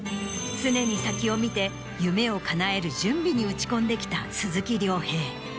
常に先を見て夢をかなえる準備に打ち込んできた鈴木亮平。